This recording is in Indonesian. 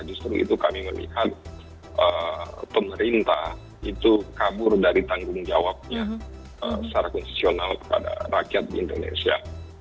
justru itu kami melihat pemerintah itu kabur dari tanggung jawabnya secara konsesional kepada rakyat di indonesia